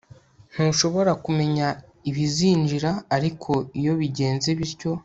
ntushobora kumenya ibizinjira ariko iyo bigenze bityo